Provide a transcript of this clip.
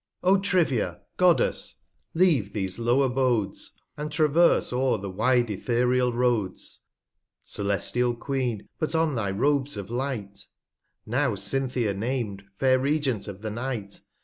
f^~ "^'"^^^ O TRIVIA^ Goddess, leave these low Abodes, And traverse o'er the wide Ethereal Roads, Celestial Queen, put on thy Robes of Light, Now Cynthia nam'd, fair Regent of the Night.